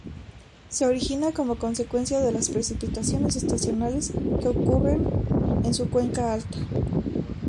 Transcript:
Se origina como consecuencia de las precipitaciones estacionales que ocurren en su cuenca alta.